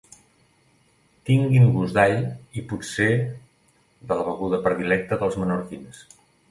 Tinguin gust d'all, i potser de la beguda predilecta dels menorquins.